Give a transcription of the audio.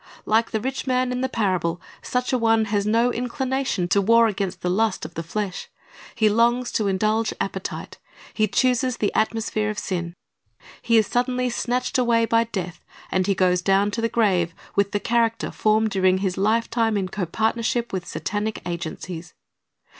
Like the rich man in the parable, such a one has no inclination to war against the lust of the flesh. He longs to indulge appetite. He chooses the atmosphere of sin. He is suddenly snatched away by death, and he goes down to the grave with the character formed during his lifetime in copartnership with Satanic agencies.